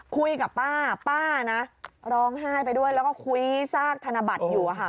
คุยกับป้าป้านะร้องไห้ไปด้วยแล้วก็คุยซากธนบัตรอยู่ค่ะ